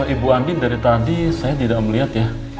ibu andin dari tadi saya tidak melihat ya